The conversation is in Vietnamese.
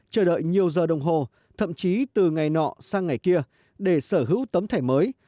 chờ đợi nhiều giờ đồng hồ thậm chí từ ngày nọ sang ngày kia để sở hữu tấm thẻ mới